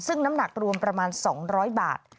ซึ่งน้ำหนักรวมประมาณ๒๐๐บาท